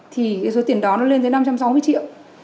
thì cái số tiền đó nó lên tới năm trăm sáu mươi triệu